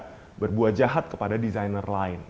dan juga berbuat jahat kepada desainer lain